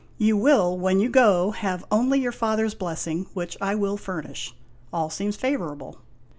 You will, when you go, have only your father's blessing which I will furnish. All seems favorable.